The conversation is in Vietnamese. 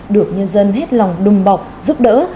được nhân dân hết lòng đùm bọc giúp đỡ